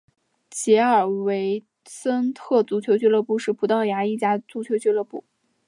吉尔维森特足球俱乐部是葡萄牙的一家足球俱乐部。